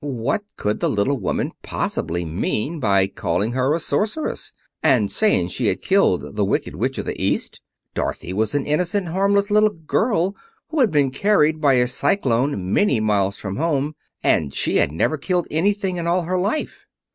What could the little woman possibly mean by calling her a sorceress, and saying she had killed the Wicked Witch of the East? Dorothy was an innocent, harmless little girl, who had been carried by a cyclone many miles from home; and she had never killed anything in all her life.